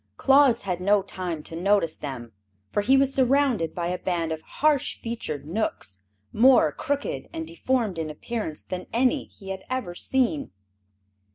Claus had no time to notice them, for he was surrounded by a band of harsh featured Knooks, more crooked and deformed in appearance than any he had ever seen.